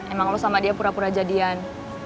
emang lu sama dia pura pura jadian